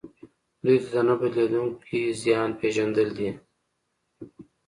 دوی ته د نه بدلیدونکي زیان پېژندل دي.